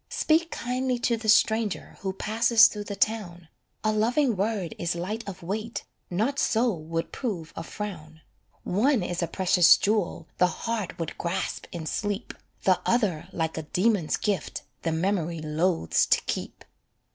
Speak kindly to the stranger Who passes through the town, A loving word is light of weight Not so would prove a frown. One is a precious jewel The heart would grasp in sleep, The other like a demon's gift The memory loathes to keep.